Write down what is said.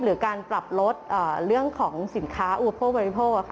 หรือการปรับลดเรื่องของสินค้าอุปโภคบริโภค